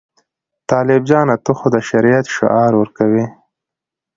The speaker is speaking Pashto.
طالب جانه ته خو د شریعت شعار ورکوې.